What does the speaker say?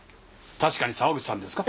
確かに沢口さんですか？